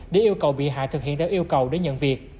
để yêu cầu bị hại thực hiện theo yêu cầu để nhận việc